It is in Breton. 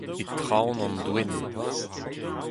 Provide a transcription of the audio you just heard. E traoñ an doenn.